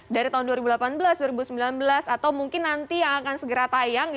dari tahun dua ribu delapan belas dua ribu sembilan belas atau mungkin nanti yang akan segera tayang